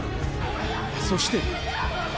そして。